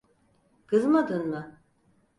Kızmadın mı?